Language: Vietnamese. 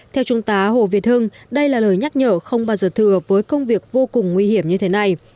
theo trung tá hồ việt hưng đây là lời nhắc nhở không bao giờ thừa với công việc vô cùng nguy hiểm như thế này